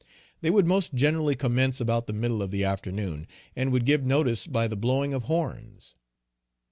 They would most generally commence about the middle of the afternoon; and would give notice by the blowing of horns.